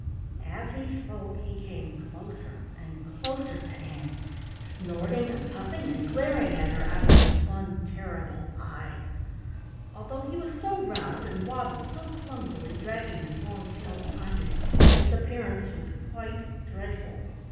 As he spoke he came closer and closer to Ann, snorting and puffing and glaring at her out of his one terrible eye. Although he was so round and waddled so clumsily, dragging his long tail behind him, his appearance was quite dreadful.